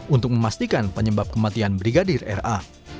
untuk memastikan penyebab kematian brigadir ra